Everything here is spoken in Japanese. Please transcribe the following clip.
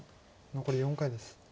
残り４回です。